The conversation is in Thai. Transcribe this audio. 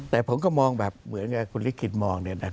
แต่ผมก็มองแบบเหมือนกับคุณลิขิตมองเนี่ยนะครับ